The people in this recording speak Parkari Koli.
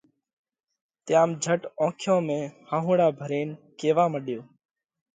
تيام جھٽ اونکيون ۾ هئهونڙا ڀرينَ ڪيوا مڏيو: